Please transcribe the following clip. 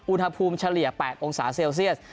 อุณหภูมิเฉลี่ย๘องศาเซลเซียส